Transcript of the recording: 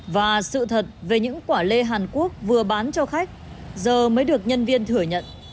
và sự thật về những quả lê hàn quốc vừa bán cho khách giờ mới được nhân viên thừa nhận